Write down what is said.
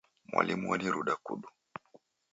Mwalimu waniruda kudu.